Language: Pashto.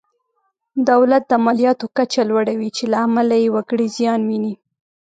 دولت د مالیاتو کچه لوړوي چې له امله یې وګړي زیان ویني.